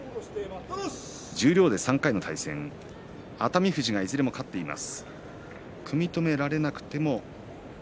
十両で３回の対戦熱海富士がいずれも勝っています。